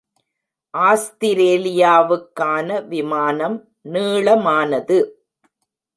ஆஸ்திரேலியாவுக்கான விமானம் நீளமானது.